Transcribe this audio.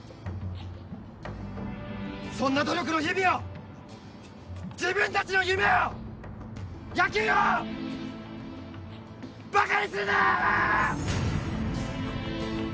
そんな努力の日々を自分たちの夢を野球をバカにするな！